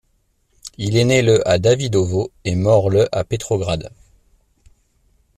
Il est né le à Davydovo et mort le à Petrograd.